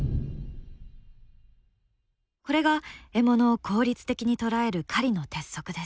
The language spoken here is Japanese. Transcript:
これが獲物を効率的に捕らえる狩りの鉄則です。